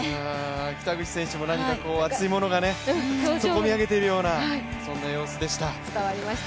北口選手も熱いものがふっとこみあげてくるようなそんな様子でした。